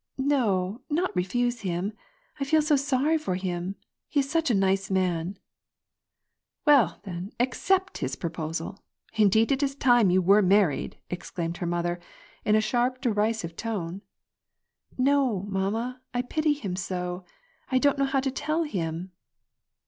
" No, not refuse him ! I feel so sorry for him ! He is such a nice man !"" Well, then, accept his proposal. Indeed, it is time you were married," exclaimed her mother, in a sharp, derisive tone. " No, mamma, I pity him so. I don't know how to tell him